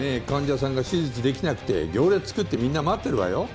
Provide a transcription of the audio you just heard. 患者さんが手術できなくて行列作ってみんな待ってるわよ。